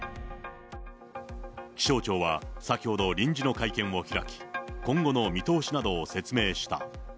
気象庁は、先ほど臨時の会見を開き、今後の見通しなどを説明した。